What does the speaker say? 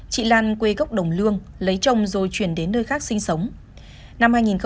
chị lan quê gốc đồng lương lấy chồng rồi chuyển đến nơi khác